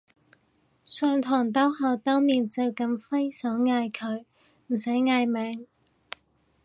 上堂兜口兜面就噉揮手嗌佢唔使嗌名